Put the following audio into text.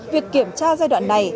việc kiểm tra giai đoạn này